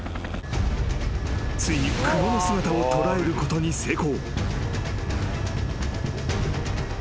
［ついに熊の姿を捉えることに成功］